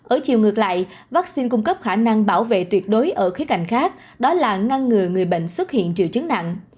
ở chiều ngược lại vaccine cung cấp khả năng bảo vệ tuyệt đối ở khía cạnh khác đó là ngăn ngừa người bệnh xuất hiện triệu chứng nặng